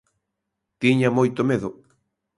Tiña moito medo.